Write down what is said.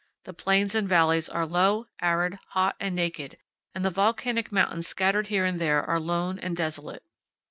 The plains and valleys are low, arid, hot, and naked, and the volcanic mountains scattered here and there are lone and desolate.